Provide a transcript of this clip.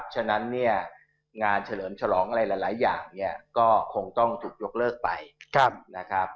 ฉะนั้นเนี่ยงานเฉลิมฉลองอะไรหลายอย่างเนี่ยก็คงต้องถูกยกเลิกไปนะครับ